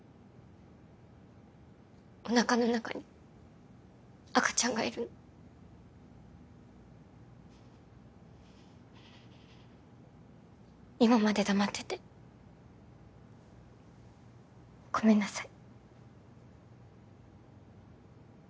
おなかの中に赤ちゃんがいるの今まで黙っててごめんなさい